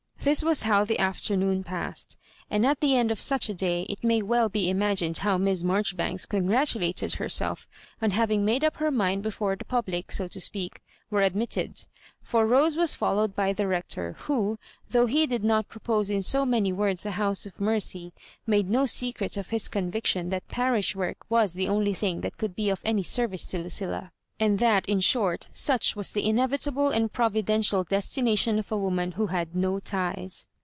This was how the afternoon passed ; and at the end of such a day, it may well be imagined how Miss Marjoribanks congratulated herself on hav ing made up her mind before the public, so to speak, were admitted For Rose was followed by tie Rector, who, though he did not propose in so many words a House of Mercy, made no secret of his conviction that parish work was the only thmg that could be of any service to Lucilla ; and that, in short, such was the inevitable and providential destination of a woman who had "no ties."